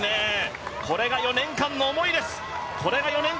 これが４年間の思いです！